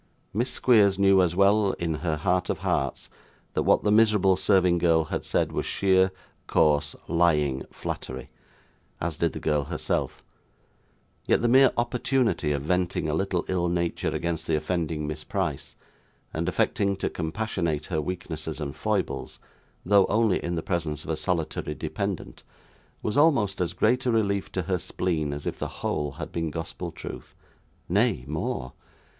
Miss Squeers knew as well in her heart of hearts that what the miserable serving girl had said was sheer, coarse, lying flattery, as did the girl herself; yet the mere opportunity of venting a little ill nature against the offending Miss Price, and affecting to compassionate her weaknesses and foibles, though only in the presence of a solitary dependant, was almost as great a relief to her spleen as if the whole had been gospel truth. Nay, more.